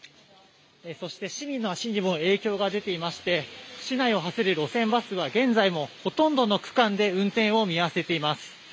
そして市民の足にも影響が出ていまして、市内を走る路線バスは、現在もほとんどの区間で運転を見合わせています。